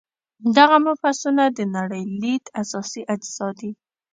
دغه مبحثونه د نړۍ لید اساسي اجزا دي.